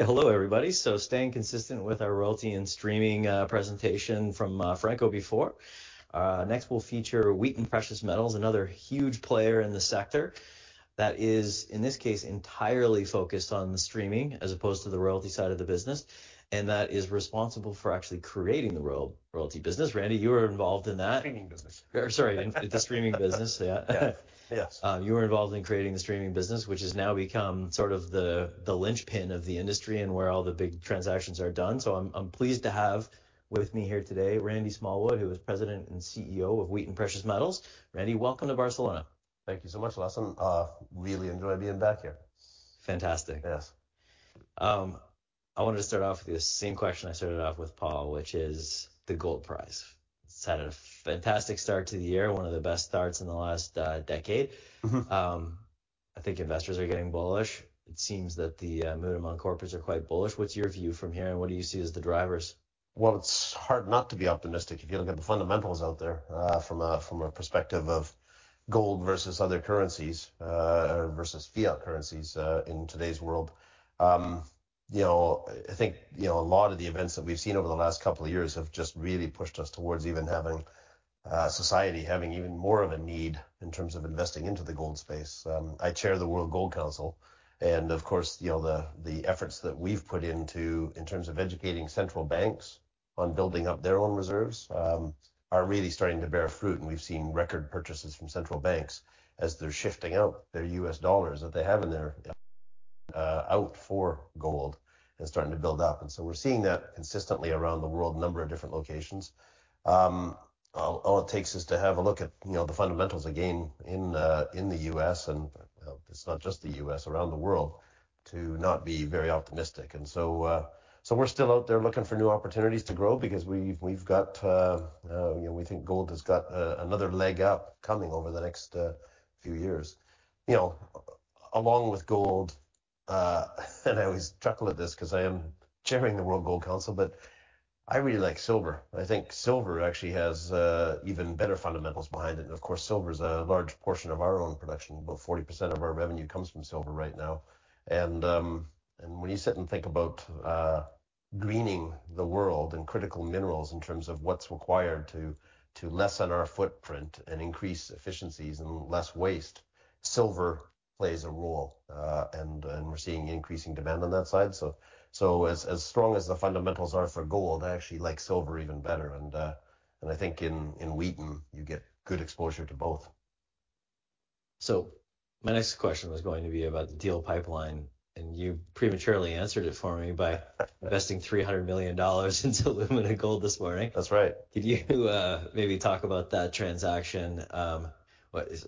Hello, everybody. Staying consistent with our royalty and streaming presentation from Franco before, next we'll feature Wheaton Precious Metals, another huge player in the sector that is, in this case, entirely focused on the streaming as opposed to the royalty side of the business, and that is responsible for actually creating the royalty business. Randy, you were involved in that. Streaming business. Sorry, in the streaming business. Yeah. Yes. You were involved in creating the streaming business, which has now become sort of the linchpin of the industry and where all the big transactions are done. I'm pleased to have with me here today Randy Smallwood, who is President and CEO of Wheaton Precious Metals. Randy, welcome to Barcelona. Thank you so much, Jalonen. Really enjoy being back here. Fantastic. Yes. I wanted to start off with the same question I started off with Paul, which is the gold price. It's had a fantastic start to the year, one of the best starts in the last decade. I think investors are getting bullish. It seems that the mood among corporates are quite bullish. What's your view from here, and what do you see as the drivers? Well, it's hard not to be optimistic if you look at the fundamentals out there, from a perspective of gold versus other currencies, or versus fiat currencies, in today's world. You know, I think, you know, a lot of the events that we've seen over the last couple of years have just really pushed us towards even having, society having even more of a need in terms of investing into the gold space. I chair the World Gold Council and, of course, you know, the efforts that we've put into in terms of educating central banks on building up their own reserves, are really starting to bear fruit, and we've seen record purchases from central banks as they're shifting out their US dollars that they have in there, out for gold and starting to build up. We're seeing that consistently around the world, a number of different locations. All it takes is to have a look at, you know, the fundamentals again in the U.S., and, well, it's not just the U.S., around the world, to not be very optimistic. So we're still out there looking for new opportunities to grow because we've got, you know, we think gold has got another leg up coming over the next few years. You know, along with gold, and I always chuckle at this 'cause I am chairing the World Gold Council, but I really like silver. I think silver actually has even better fundamentals behind it. Of course, silver's a large portion of our own production. About 40% of our revenue comes from silver right now. When you sit and think about greening the world and critical minerals in terms of what's required to lessen our footprint and increase efficiencies and less waste, silver plays a role. We're seeing increasing demand on that side. As strong as the fundamentals are for gold, I actually like silver even better and I think in Wheaton, you get good exposure to both. My next question was going to be about the deal pipeline, and you prematurely answered it for me by investing $300 million into Lumina Gold this morning. That's right. Could you, maybe talk about that transaction,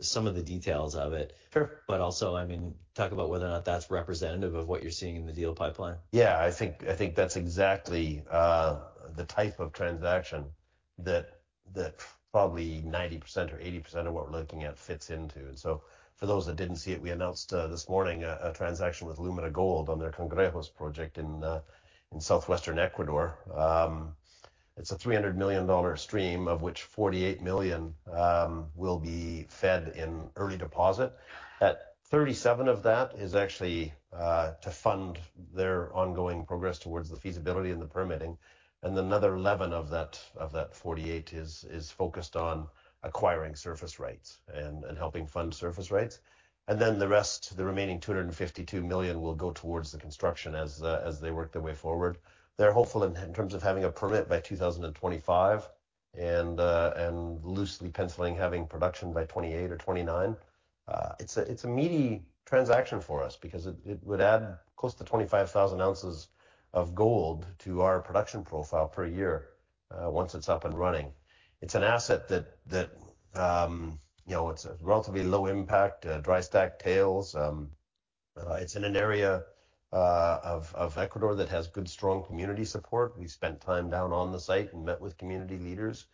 Some of the details of it. Sure. Also, I mean, talk about whether or not that's representative of what you're seeing in the deal pipeline? Yeah. I think that's exactly the type of transaction that probably 90% or 80% of what we're looking at fits into. For those that didn't see it, we announced this morning a transaction with Lumina Gold on their Cangrejos project in southwestern Ecuador. It's a $300 million stream, of which $48 million will be fed in early deposit. $37 million of that is actually to fund their ongoing progress towards the feasibility and the permitting, and another $11 million of that $48 million is focused on acquiring surface rights and helping fund surface rights. The rest, the remaining $252 million will go towards the construction as they work their way forward. They're hopeful in terms of having a permit by 2025 and loosely penciling having production by 2028 or 2029. It's a meaty transaction for us because it would add close to 25,000 ounces of gold to our production profile per year once it's up and running. It's an asset that, you know, it's a relatively low impact, dry stack tailings. It's in an area of Ecuador that has good, strong community support. We spent time down on the site and met with community leaders.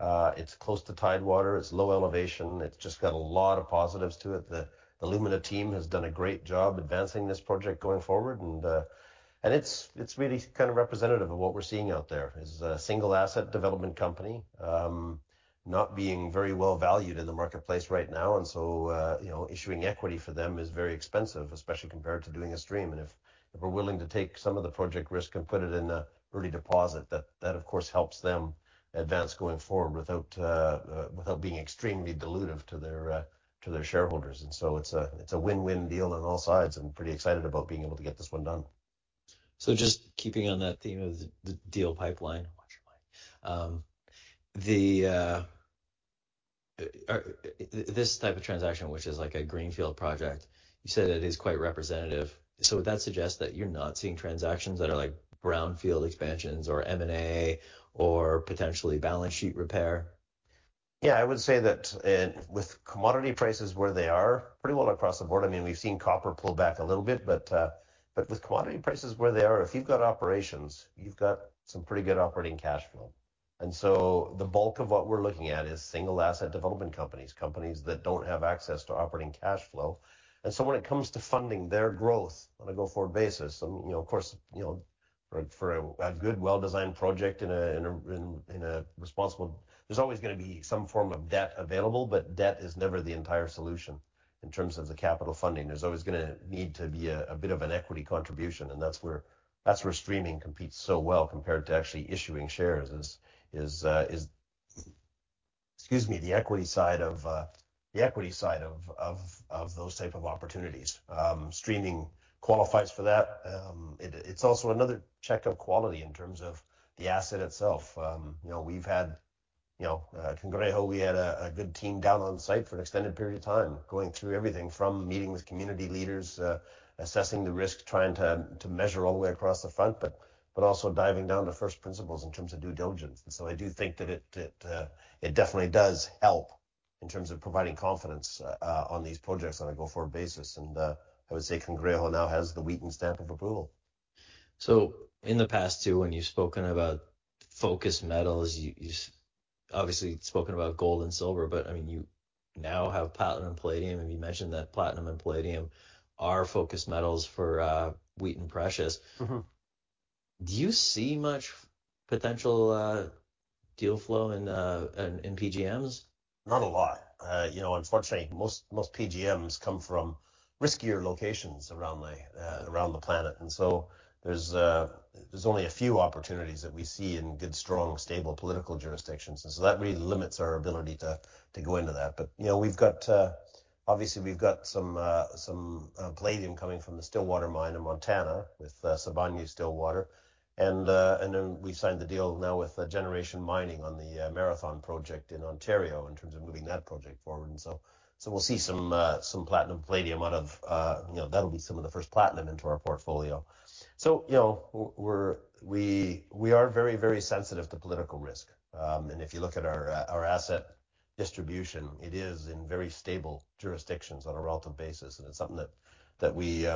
It's close to tidewater. It's low elevation. It's just got a lot of positives to it. The Lumina team has done a great job advancing this project going forward, and it's really kind of representative of what we're seeing out there is a single asset development company, not being very well valued in the marketplace right now. You know, issuing equity for them is very expensive, especially compared to doing a stream. If we're willing to take some of the project risk and put it in an early deposit, that of course helps them advance going forward without being extremely dilutive to their shareholders. It's a win-win deal on all sides. I'm pretty excited about being able to get this one done. Just keeping on that theme of the deal pipeline, watch your mic, or this type of transaction, which is like a greenfield project, you said it is quite representative? Would that suggest that you're not seeing transactions that are like brownfield expansions or M&A or potentially balance sheet repair? Yeah. I would say that, with commodity prices where they are pretty well across the board, I mean, we've seen copper pull back a little bit but, with commodity prices where they are, if you've got operations, you've got some pretty good operating cash flow. The bulk of what we're looking at is single asset development companies that don't have access to operating cash flow. When it comes to funding their growth on a go-forward basis, you know, of course, for a good well-designed project in a responsible... There's always going to be some form of debt available, but debt is never the entire solution in terms of the capital funding. There's always gonna need to be a bit of an equity contribution. That's where streaming competes so well compared to actually issuing shares is, excuse me, the equity side of the equity side of those type of opportunities. Streaming qualifies for that. It's also another check of quality in terms of the asset itself. You know, we've had, you know, Cangrejos, we had a good team down on site for an extended period of time going through everything from meetings with community leaders, assessing the risk, trying to measure all the way across the front, also diving down to first principles in terms of due diligence. I do think it definitely does help in terms of providing confidence on these projects on a go-forward basis. I would say Cangrejos now has the Wheaton stamp of approval. In the past too, when you've spoken about focus metals, you've obviously spoken about gold and silver. I mean, you now have platinum and palladium. You mentioned that platinum and palladium are focus metals for Wheaton Precious. Do you see much potential, deal flow in PGMs? Not a lot. you know, unfortunately, most PGMs come from riskier locations around the planet. There's only a few opportunities that we see in good, strong, stable political jurisdictions. That really limits our ability to go into that. you know, we've got, obviously we've got some palladium coming from the Stillwater Mine in Montana with Sibanye-Stillwater. Then we signed the deal now with Generation Mining on the Marathon project in Ontario in terms of moving that project forward. We'll see some platinum palladium out of, you know, that'll be some of the first platinum into our portfolio. you know, we are very, very sensitive to political risk. If you look at our asset distribution, it is in very stable jurisdictions on a relative basis. It's something that we,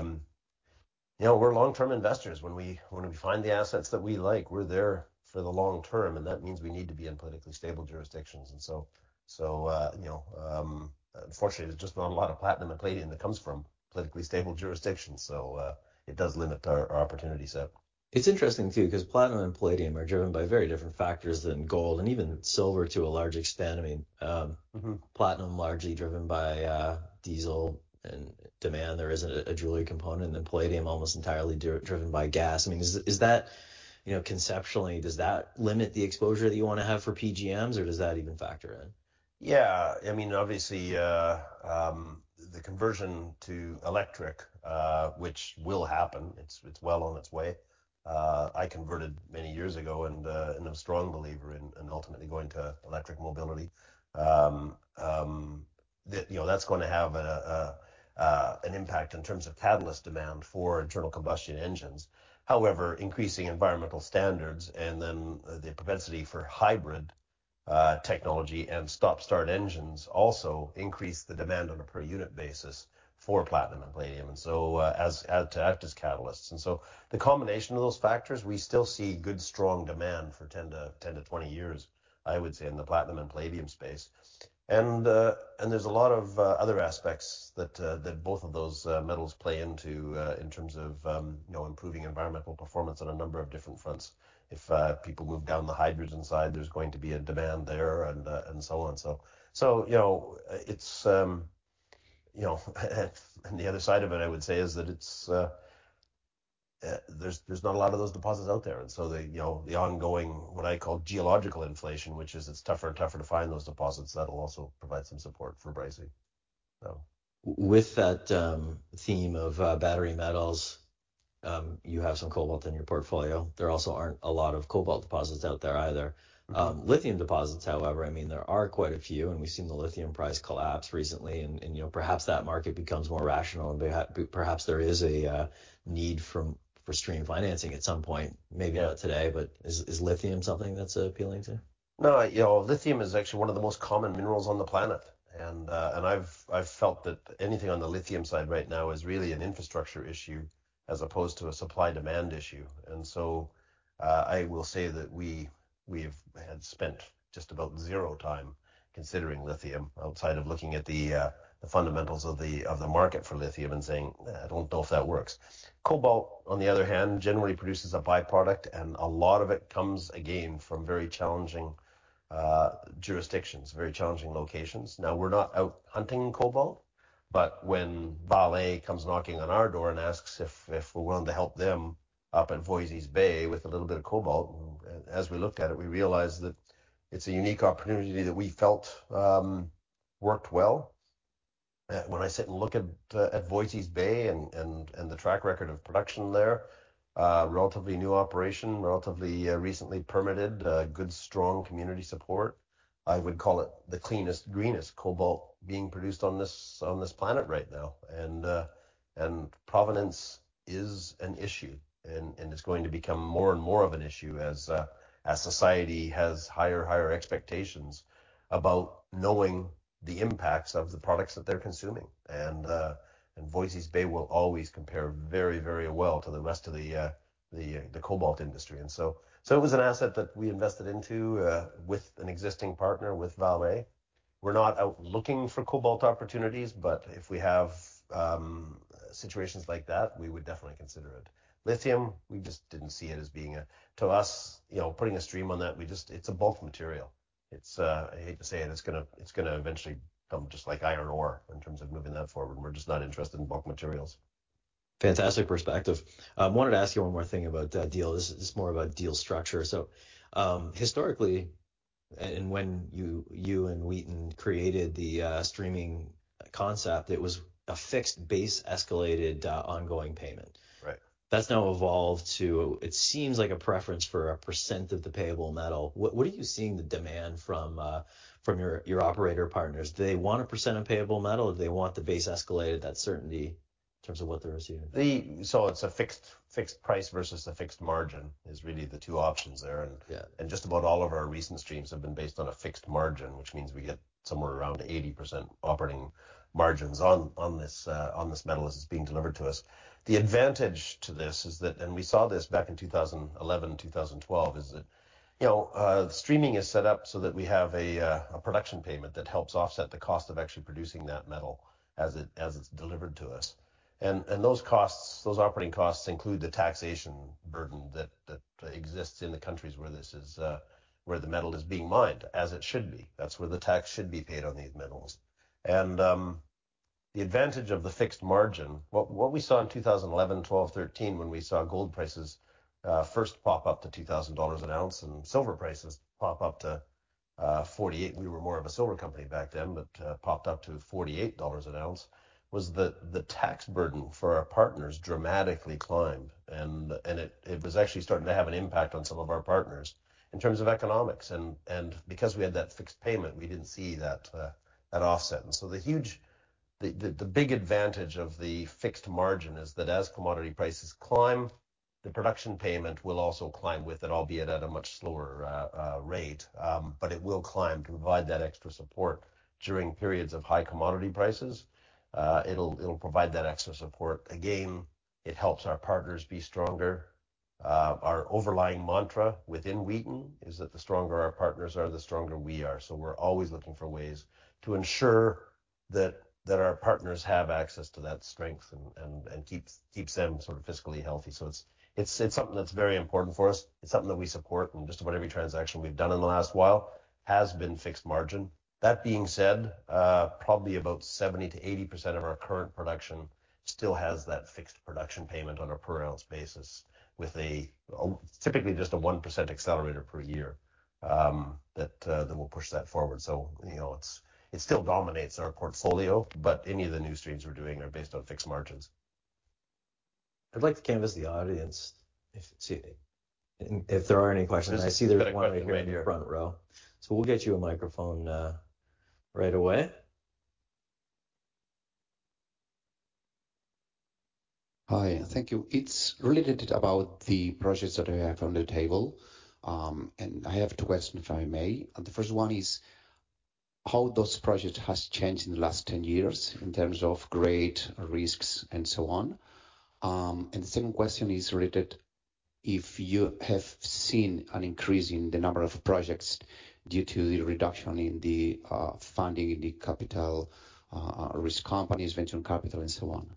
you know, we're long-term investors. When we find the assets that we like, we're there for the long term, and that means we need to be in politically stable jurisdictions. Unfortunately there's just not a lot of platinum and palladium that comes from politically stable jurisdictions. It does limit our opportunity set. It's interesting too, 'cause platinum and palladium are driven by very different factors than gold and even silver to a large extent. I mean platinum largely driven by diesel and demand, there isn't a jewelry component. Palladium almost entirely driven by gas. I mean, is that, you know, conceptually, does that limit the exposure that you wanna have for PGMs, or does that even factor in? Yeah. I mean, obviously, the conversion to electric, which will happen, it's well on its way, I converted many years ago and am a strong believer in ultimately going to electric mobility. The, you know, that's gonna have an impact in terms of catalyst demand for internal combustion engines. However, increasing environmental standards and then the propensity for hybrid technology and stop-start engines also increase the demand on a per unit basis for platinum and palladium. To act as catalysts. The combination of those factors, we still see good, strong demand for 10-20 years, I would say, in the platinum and palladium space. There's a lot of other aspects that both of those metals play into in terms of, you know, improving environmental performance on a number of different fronts. If people move down the hydrogen side, there's going to be a demand there and so on. You know, it's, you know, and the other side of it, I would say, is that it's, there's not a lot of those deposits out there. They, you know, the ongoing, what I call geological inflation, which is it's tougher and tougher to find those deposits, that'll also provide some support for pricing, so. With that, theme of, battery metals, you have some cobalt in your portfolio. There also aren't a lot of cobalt deposits out there either. Lithium deposits, however, I mean, there are quite a few, and we've seen the lithium price collapse recently and, you know, perhaps that market becomes more rational and perhaps there is a need from, for stream financing at some point. Maybe not today, but is lithium something that's appealing to you? No. You know, lithium is actually one of the most common minerals on the planet. I've felt that anything on the lithium side right now is really an infrastructure issue as opposed to a supply-demand issue. I will say that we've had spent just about zero time considering lithium outside of looking at the fundamentals of the market for lithium and saying, "I don't know if that works." Cobalt, on the other hand, generally produces a by-product, and a lot of it comes, again, from very challenging jurisdictions, very challenging locations. We're not out hunting cobalt, but when Vale comes knocking on our door and asks if we're willing to help them up at Voisey's Bay with a little bit of cobalt, and as we looked at it, we realized that it's a unique opportunity that we felt worked well. When I sit and look at Voisey's Bay and the track record of production there, relatively new operation, relatively recently permitted, good, strong community support, I would call it the cleanest, greenest cobalt being produced on this planet right now. Provenance is an issue and it's going to become more and more of an issue as society has higher and higher expectations about knowing the impacts of the products that they're consuming. Voisey's Bay will always compare very, very well to the rest of the cobalt industry. It was an asset that we invested into with an existing partner, with Vale. We're not out looking for cobalt opportunities, but if we have situations like that, we would definitely consider it. Lithium, we just didn't see it as being. To us, you know, putting a stream on that, we just, it's a bulk material. It's, I hate to say it's gonna eventually become just like iron ore in terms of moving that forward, and we're just not interested in bulk materials. Fantastic perspective. I wanted to ask you one more thing about deals. This is more about deal structure. Historically, and when you and Wheaton created the streaming concept, it was a fixed base escalated, ongoing payment. Right. That's now evolved to, it seems like a preference for a percent of the payable metal. What are you seeing the demand from your operator partners? Do they want a percent of payable metal or do they want the base escalated, that certainty in terms of what they're receiving? It's a fixed price versus a fixed margin is really the two options there. Just about all of our recent streams have been based on a fixed margin, which means we get somewhere around 80% operating margins on this metal as it's being delivered to us. The advantage to this is that we saw this back in 2011, 2012, is that, you know, the streaming is set up so that we have a production payment that helps offset the cost of actually producing that metal as it's delivered to us. Those costs, those operating costs include the taxation burden that exists in the countries where this is where the metal is being mined, as it should be. That's where the tax should be paid on these metals. The advantage of the fixed margin, what we saw in 2011, 2012, 2013 when we saw gold prices first pop up to $2,000 an ounce and silver prices pop up to $48, we were more of a silver company back then, but popped up to $48 an ounce, was the tax burden for our partners dramatically climbed, and it was actually starting to have an impact on some of our partners in terms of economics. Because we had that fixed payment, we didn't see that offset. So the huge, the big advantage of the fixed margin is that as commodity prices climb, the production payment will also climb with it, albeit at a much slower rate. It will climb to provide that extra support during periods of high commodity prices. It'll provide that extra support. Again, it helps our partners be stronger. Our overlying mantra within Wheaton is that the stronger our partners are, the stronger we are. We're always looking for ways to ensure that our partners have access to that strength and keeps them sort of fiscally healthy. It's something that's very important for us. It's something that we support, and just about every transaction we've done in the last while has been fixed margin. That being said, probably about 70%-80% of our current production still has that fixed production payment on a per ounce basis with a typically just a 1% accelerator per year that will push that forward you know, it's, it still dominates our portfolio, but any of the new streams we're doing are based on fixed margins. I'd like to canvas the audience if there are any questions. I see there's one right here in the front row. We'll get you a microphone, right away. Hi, thank you. It's related about the projects that we have on the table, and I have two questions, if I may. The first one is how those projects has changed in the last 10 years in terms of grade, risks, and so on. The second question is related if you have seen an increase in the number of projects due to the reduction in the funding, in the capital, risk companies, venture capital, and so on.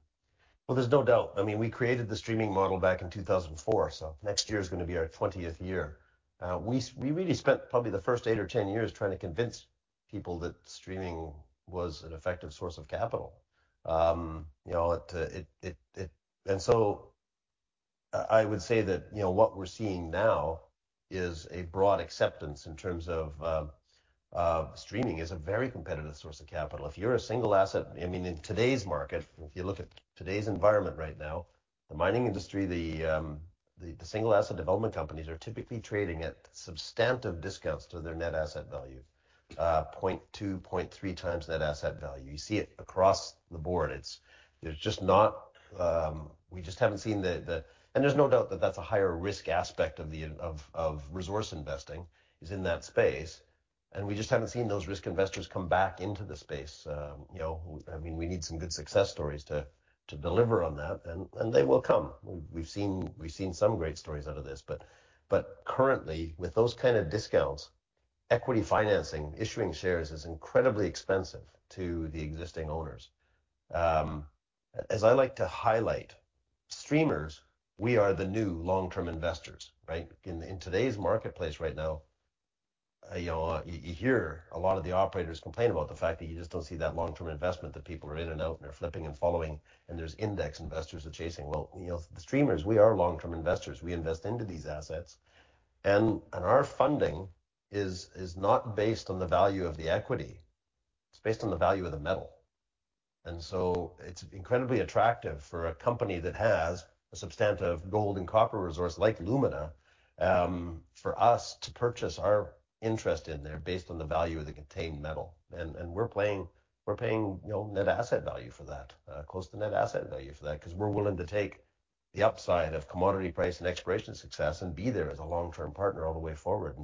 Well, there's no doubt. I mean, we created the streaming model back in 2004, so next year's gonna be our 20th year. We really spent probably the first eight or 10 years trying to convince people that streaming was an effective source of capital. You know, I would say that, you know, what we're seeing now is a broad acceptance in terms of streaming is a very competitive source of capital. If you're a single asset, I mean, in today's market, if you look at today's environment right now, the mining industry, the single asset development companies are typically trading at substantive discounts to their net asset value, 0.2, 0.3 times net asset value. You see it across the board. It's, there's just not, we just haven't seen the. There's no doubt that that's a higher risk aspect of the resource investing is in that space, and we just haven't seen those risk investors come back into the space. You know, I mean, we need some good success stories to deliver on that, and they will come. We've seen some great stories out of this. Currently, with those kind of discounts, equity financing, issuing shares is incredibly expensive to the existing owners. As I like to highlight, streamers, we are the new long-term investors, right? In today's marketplace right now, you know, you hear a lot of the operators complain about the fact that you just don't see that long-term investment, that people are in and out, and they're flipping and following, and there's index investors they're chasing. Well, you know, the streamers, we are long-term investors. We invest into these assets, and our funding is not based on the value of the equity. It's based on the value of the metal. It's incredibly attractive for a company that has a substantive gold and copper resource like Lumina, for us to purchase our interest in there based on the value of the contained metal. We're playing, we're paying, you know, net asset value for that, close to net asset value for that, 'cause we're willing to take the upside of commodity price and exploration success and be there as a long-term partner all the way forward.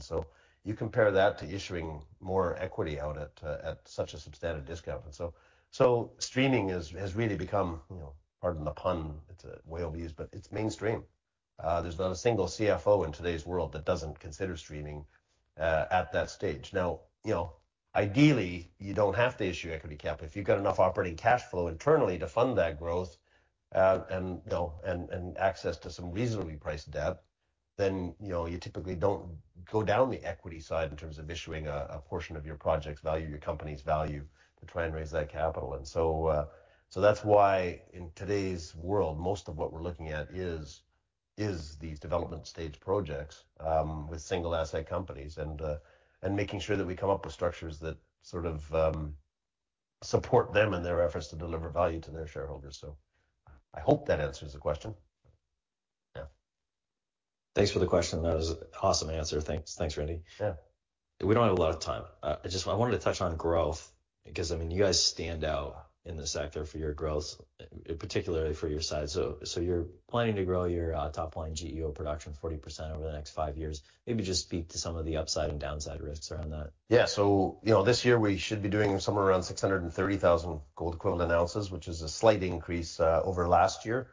You compare that to issuing more equity out at such a substantive discount. Streaming has really become, you know, pardon the pun, it's way overused, but it's mainstream. There's not a single CFO in today's world that doesn't consider streaming at that stage. Ideally, you don't have to issue equity capital. If you've got enough operating cash flow internally to fund that growth, and, you know, and access to some reasonably priced debt, then, you know, you typically don't go down the equity side in terms of issuing a portion of your project's value, your company's value to try and raise that capital. That's why in today's world, most of what we're looking at is these development stage projects, with single asset companies and making sure that we come up with structures that sort of support them in their efforts to deliver value to their shareholders. I hope that answers the question. Thanks for the question. That was an awesome answer. Thanks. Thanks, Randy. We don't have a lot of time. I wanted to touch on growth because, I mean, you guys stand out in the sector for your growth, particularly for your size. You're planning to grow your top line GEO production 40% over the next five years. Maybe just speak to some of the upside and downside risks around that. You know, this year we should be doing somewhere around 630,000 gold equivalent ounces, which is a slight increase over last year.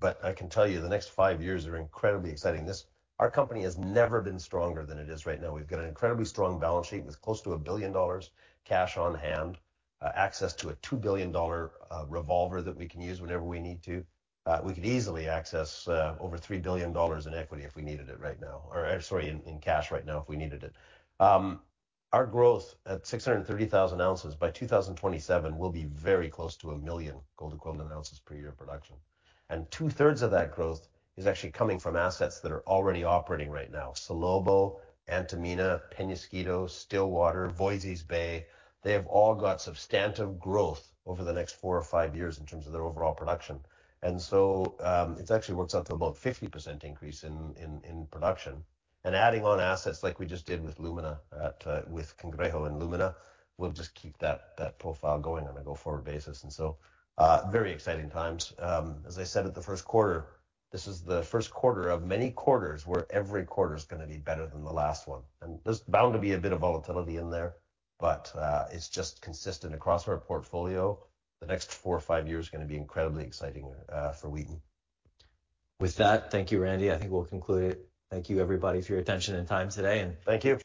But I can tell you, the next five years are incredibly exciting. Our company has never been stronger than it is right now. We've got an incredibly strong balance sheet with close to $1 billion cash on hand, access to a $2 billion revolver that we can use whenever we need to. We could easily access over $3 billion in equity if we needed it right now, or sorry, in cash right now if we needed it. Our growth at 630,000 ounces by 2027 will be very close to 1 million gold equivalent ounces per year production. 2/3 of that growth is actually coming from assets that are already operating right now. Salobo, Antamina, Peñasquito, Stillwater, Voisey's Bay, they have all got substantive growth over the next four or five years in terms of their overall production. This actually works out to about 50% increase in production. Adding on assets like we just did with Lumina at Cangrejos and Lumina will just keep that profile going on a go-forward basis. Very exciting times. As I said at the first quarter, this is the first quarter of many quarters where every quarter's gonna be better than the last one. There's bound to be a bit of volatility in there, but it's just consistent across our portfolio. The next four or five years are gonna be incredibly exciting for Wheaton. With that, thank you, Randy. I think we'll conclude it. Thank you everybody for your attention and time today. Thank you.